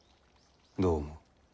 どう思う？